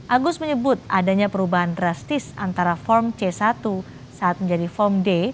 agus menyebut adanya perubahan drastis antara form c satu saat menjadi form d